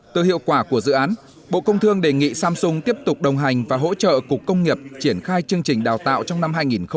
từ hiệu quả của dự án bộ công thương đề nghị samsung tiếp tục đồng hành và hỗ trợ cục công nghiệp triển khai chương trình đào tạo trong năm hai nghìn hai mươi